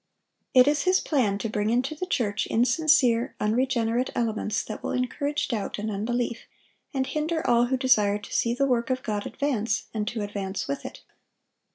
It is his plan to bring into the church insincere, unregenerate elements that will encourage doubt and unbelief, and hinder all who desire to see the work of God advance, and to advance with it.